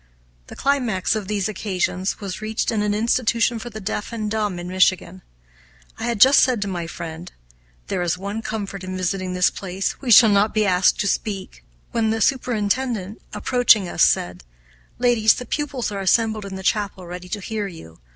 The climax of these occasions was reached in an institution for the deaf and dumb in Michigan. I had just said to my friend, "There is one comfort in visiting this place; we shall not be asked to speak," when the superintendent, approaching us, said, "Ladies, the pupils are assembled in the chapel, ready to hear you.